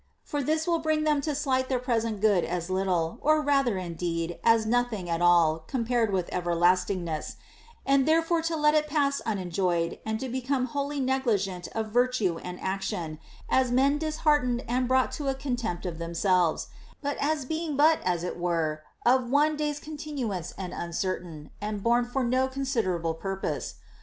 For this will bring them to slight their present good as little, or rather indeed as nothing at all compared with everlastingness, and therefore to let it pass unenjoyed and to become wholly negligent of virtue and action, as men disheartened and brought to a contempt of themselves, as being but as it were of one day's con tinuance and uncertain, and born for no considerable pur pose.